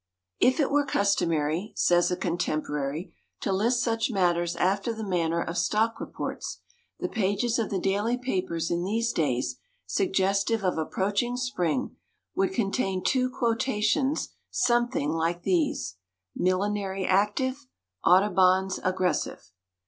If it were customary, says a contemporary, to list such matters after the manner of stock reports, the pages of the daily papers in these days, suggestive of approaching spring, would contain two quotations something like these: "Millinery active," "Audubons aggressive."